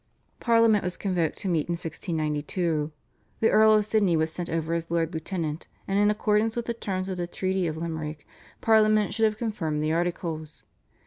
Parliament was convoked to meet in 1692. The Earl of Sydney was sent over as Lord Lieutenant, and in accordance with the terms of the Treaty of Limerick Parliament should have confirmed the articles.